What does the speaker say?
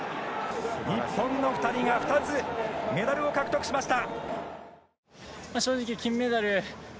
日本の２人が２つメダルを獲得しました。